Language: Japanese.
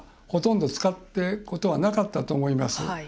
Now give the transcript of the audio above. ほとんど使うことはなかったと思います。